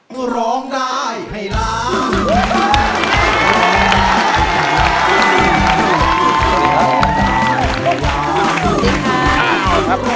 สวัสดีครับ